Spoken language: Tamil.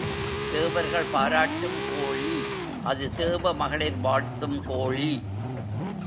தேவர்கள் பாராட்டும் கோழி அது தேவ மகளிர் வாழ்த்தும் கோழி.